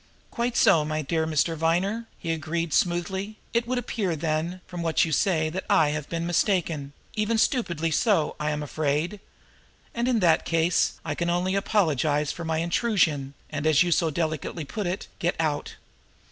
"Quite so, my dear Mr. Viner!" he agreed smoothly. "It would appear, then, from what you say that I have been mistaken even stupidly so, I am afraid. And in that case, I can only apologize for my intrusion, and, as you so delicately put it, get out."